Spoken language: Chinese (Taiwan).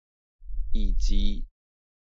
以及